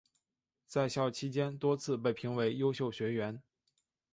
在校期间多次被评为优秀学员。